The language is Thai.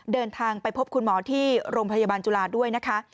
เดินทางไปพบคุณหมอที่โรงพยาบาลจุฬาด้วยนะคะ